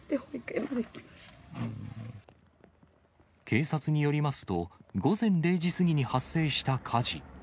警察によりますと、午前０時過ぎに発生した火事。